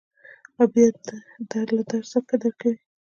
او بیا در له درس درکوي.